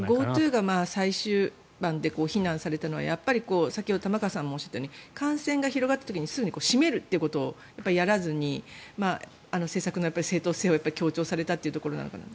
ＧｏＴｏが最終盤で非難されたのは先ほど玉川さんもおっしゃったように感染が広がった時にすぐ締めるということをやらずに政策の正当性を強調されたというところなのかなと。